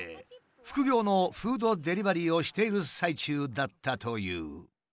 副業のフードデリバリーをしている最中だったという。